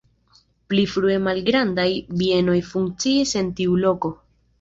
Pli frue malgrandaj bienoj funkciis en tiu loko.